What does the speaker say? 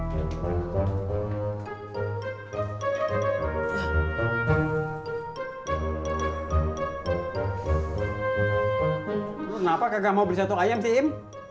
kenapa kagak mau beli soto ayam sih im